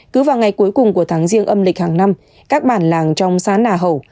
cứ vào ngày cuối cùng của tháng riêng âm lịch hàng năm các bản làng trong xá nà hậu